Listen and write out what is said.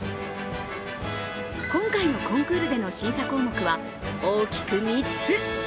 今回のコンクールでの審査項目は大きく３つ。